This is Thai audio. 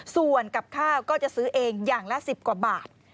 ส่วนกับข้าวก็จะซื้อเองอย่างละ๑๐กว่าบาท